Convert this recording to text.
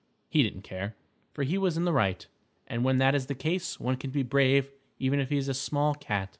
He didn't care, for he was in the right, and when that is the case, one can be brave even if he is a small cat.